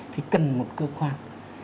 thì cần một cơ quan